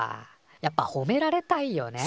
やっぱほめられたいよね。